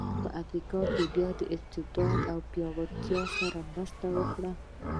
په افریقا کې یې بیا استبداد او پیاوړتیا سره مرسته وکړه.